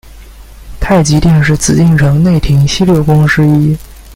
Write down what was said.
太极殿是紫禁城内廷西六宫之一。